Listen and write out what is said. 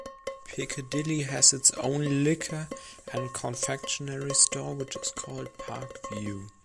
Piccadilly has its own liquor and confectionery store, which is called Parkview.